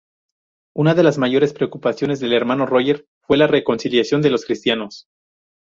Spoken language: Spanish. Una de las mayores preocupaciones del hermano Roger fue la reconciliación de los cristianos.